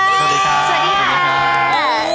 สวัสดีค่ะ